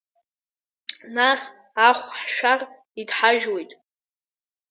Нас ахә ҳшәар, иҭҳажьуеит.